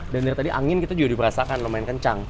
dan dari tadi angin kita juga diperasakan lumayan kencang